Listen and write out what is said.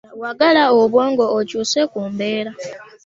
Wagala obwongo okyuse ku mbeera.